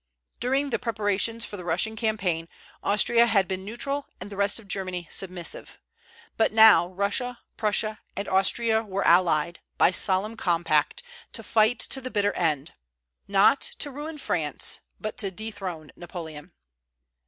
During the preparations for the Russian campaign, Austria had been neutral and the rest of Germany submissive; but now Russia, Prussia, and Austria were allied, by solemn compact, to fight to the bitter end, not to ruin France, but to dethrone Napoleon.